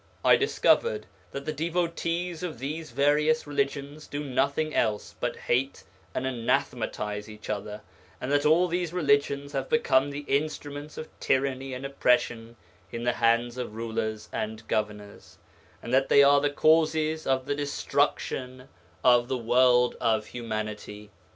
I discovered that the devotees of these various religions do nothing else but hate and anathematize each other, that all these religions have become the instruments of tyranny and oppression in the hands of rulers and governors, and that they are the causes of the destruction of the world of humanity.